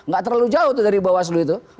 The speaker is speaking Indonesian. gak terlalu jauh dari bawaslu itu